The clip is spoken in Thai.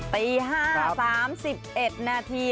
ตี๕๓๑นาที